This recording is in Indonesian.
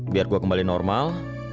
biar gue kembali normal